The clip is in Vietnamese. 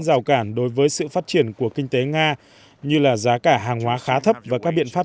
rào cản đối với sự phát triển của kinh tế nga như là giá cả hàng hóa khá thấp và các biện pháp